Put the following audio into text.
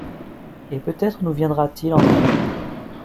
et peut-être nous viendra-t-il en aide.